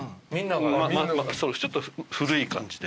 ちょっと古い感じで。